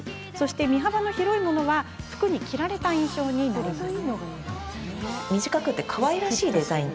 身幅の広いものは服に着られた印象になるんです。